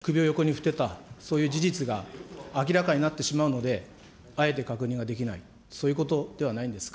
知られたくない、笑ってた、首を横に振っていた、そういう事実が明らかになってしまうので、あえて確認ができない、そういうことではないんですか。